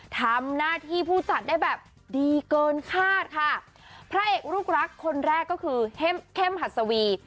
ทำหน้าที่ผู้จัดได้แบบดีเกินคาดค่ะพระเอกลูกรักคนแรกก็คือเข้มเข้มหัสวี